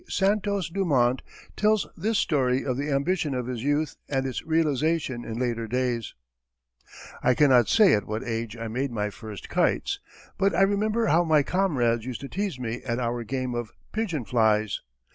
Santos Dumont tells this story of the ambition of his youth and its realization in later days: I cannot say at what age I made my first kites, but I remember how my comrades used to tease me at our game of "pigeon flies."